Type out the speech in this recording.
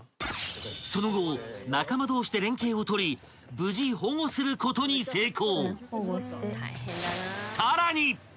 ［その後仲間同士で連携を取り無事保護することに成功］